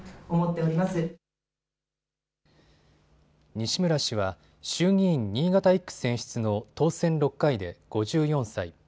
西村氏は衆議院新潟１区選出の当選６回で５４歳。